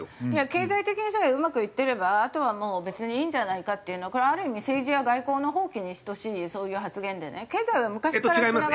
経済的にさえうまくいってればあとはもう別にいいんじゃないかっていうのこれはある意味政治や外交の放棄に等しいそういう発言でね経済は昔からつながってます。